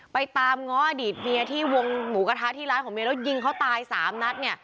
ไปตามง้ออดีตเมียที่วงหมูกระทะที่ร้านของเมียแล้วยิงเขาตาย๓นัดเนี่ย